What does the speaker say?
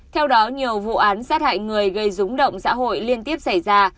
theo đó nhiều vụ án sát hại người gây rúng động xã hội liên tiếp xảy ra